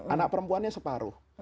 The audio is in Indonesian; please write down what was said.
anak perempuannya separuh